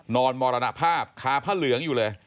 นอนมรณภาพคาพระเหลืองอยู่เลย